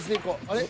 あれ？